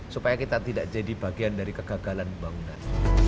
supaya kita tidak jadi bagian dari kegagalan pembangunan